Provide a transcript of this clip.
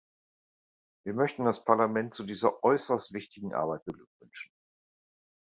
Wir möchten das Parlament zu dieser äußerst wichtigen Arbeit beglückwünschen.